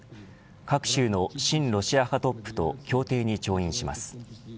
各州の親ロシア派トップと協定に調印します。